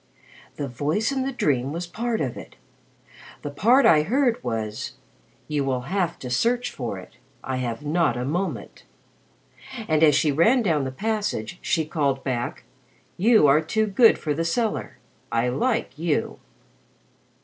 The voice in the dream was part of it. The part I heard was, 'You will have to search for it. I have not a moment.' And as she ran down the passage, she called back, 'You are too good for the cellar. I like you.'"